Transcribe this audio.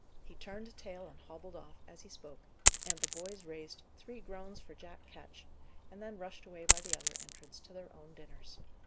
He turned tail and hobbled off, as he spoke, and the boys raised "three groans for Jack Ketch," and then rushed away by the other entrance to their own dinners.